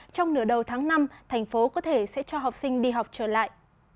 trong nửa đầu tháng năm thành phố có thể sẽ cho học sinh đi học trở lại